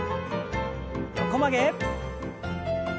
横曲げ。